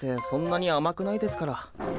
そんなに甘くないですから。